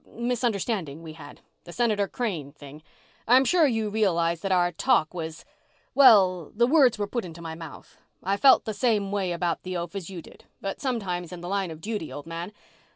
misunderstanding we had, the Senator Crane thing, I'm sure you realized that our talk was ... well, the words were put into my mouth. I felt the same way about the oaf as you did. But sometimes, in the line of duty, old man